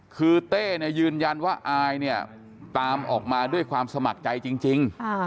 คือเต้ยืนยันว่าอายเนี่ยตามออกมาด้วยความสมัครใจจริง